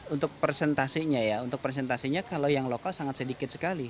untuk presentasinya ya untuk presentasinya kalau yang lokal sangat sedikit sekali